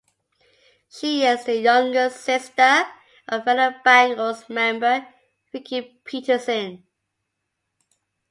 She is the younger sister of fellow Bangles member Vicki Peterson.